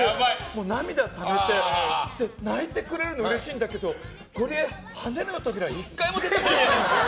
涙ためて泣いてくれるのうれしいんだけどゴリエ、「はねるのトびら」１回も出てないから。